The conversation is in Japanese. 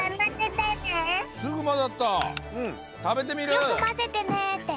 よくまぜてねって。